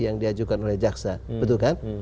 yang diajukan oleh jaksa betul kan